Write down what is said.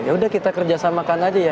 yaudah kita kerjasamakan aja ya